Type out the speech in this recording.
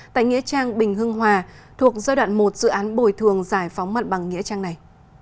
tại nghĩa trang bình hưng hòa thuộc giai đoạn một dự án bồi thường giải phóng mặt bằng nghĩa trang này